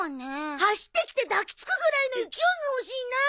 走ってきて抱きつくぐらいの勢いがほしいな！